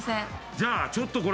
じゃあちょっとこれ。